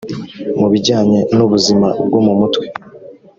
mubijyanye n ubuzima bwo mu mutwe